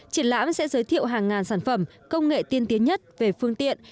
triển lãm sẽ giới thiệu hàng ngàn sản phẩm công nghệ tiên tiến nhất về phương tiện